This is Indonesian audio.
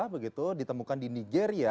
begitu ditemukan di nigeria